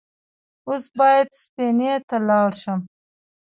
اوس بايد سفينې ته لاړ شم.